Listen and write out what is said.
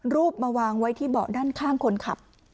รูปมาวางไว้ที่เบาะด้านข้างคนขับ